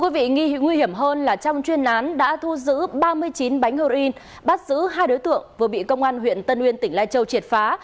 điện biên đã bắt giữ hai đối tượng vừa bị công an huyện tân nguyên tỉnh lai châu triệt phá